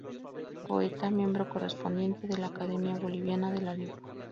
Poeta, miembro correspondiente de la Academia Boliviana de la Lengua.